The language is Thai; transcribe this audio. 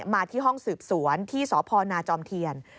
มาที่ห้องสืบสวนที่สพนาจอมเทียน